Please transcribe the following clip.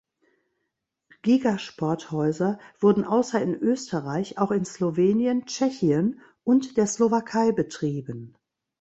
Gigasport-Häuser wurden außer in Österreich auch in Slowenien, Tschechien und der Slowakei betrieben.